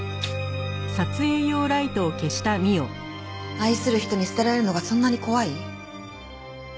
愛する人に捨てられるのがそんなに怖い？